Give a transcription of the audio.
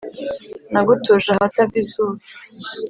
Nagutuje ahatava izuba,